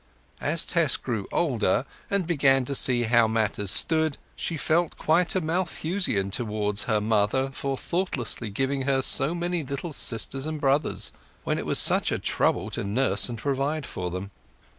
As Tess grew older, and began to see how matters stood, she felt quite a Malthusian towards her mother for thoughtlessly giving her so many little sisters and brothers, when it was such a trouble to nurse and provide for them.